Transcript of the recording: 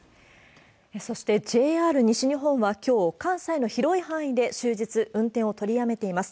そして、ＪＲ西日本はきょう、関西の広い範囲で終日、運転を取りやめています。